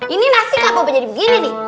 ini nasi gak bawa jadi begini nih